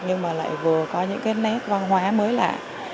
nhưng mà lại vừa có những cái nét văn hóa mới lạ